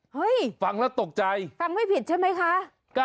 ฟังแล้วตกใจฟังไม่ผิดใช่ไหมคะ